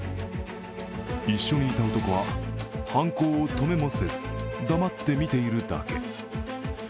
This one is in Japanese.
一緒にいた男は犯行を止めもせず、黙ってみているだけ。